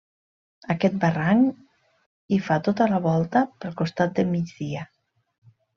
Aquest barranc hi fa tota la volta pel costat de migdia.